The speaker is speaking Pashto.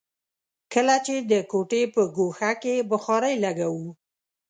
کله چې د کوټې په ګوښه کې بخارۍ لګوو.